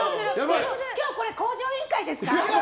今日「向上委員会」ですか？